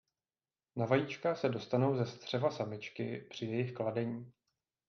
Na vajíčka se dostanou ze střeva samičky při jejich kladení.